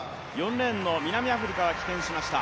４レーンの南アフリカは棄権しました。